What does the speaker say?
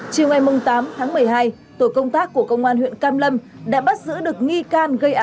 chiều ngày tám tháng một mươi hai tổ công tác của công an huyện cam lâm đã bắt giữ được nghi cao của công an huyện cam lâm